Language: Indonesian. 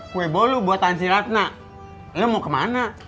kue bolu buatan si ratna lu mau ke mana